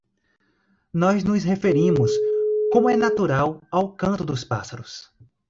Nós nos referimos, como é natural, ao canto dos pássaros.